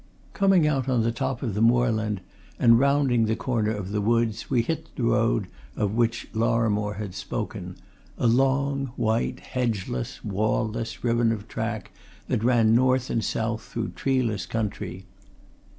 Coming out on the top of the moorland, and rounding the corner of the woods, we hit the road of which Lorrimore had spoken a long, white, hedgeless, wall less ribbon of track that ran north and south through treeless country.